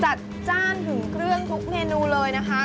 จัดจ้านถึงเครื่องทุกเมนูเลยนะคะ